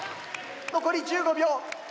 残り１５秒。